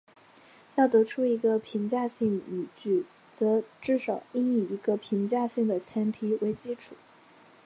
要得出一个评价性语句则至少应以一个评价性的前提为基础。